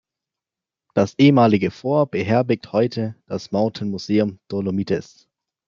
Das ehemalige Fort beherbergt heute das Mountain Museum Dolomites.